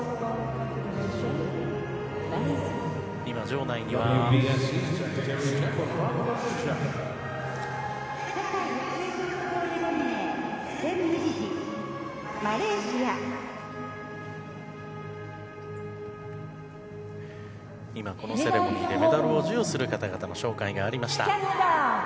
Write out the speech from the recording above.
場内では今、このセレモニーでメダルを授与する方々の紹介がありました。